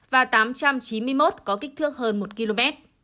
và tám trăm chín mươi một có kích thước hơn một km